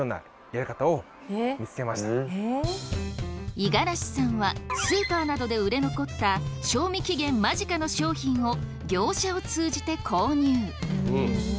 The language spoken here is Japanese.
五十嵐さんはスーパーなどで売れ残った賞味期限間近の商品を業者を通じて購入。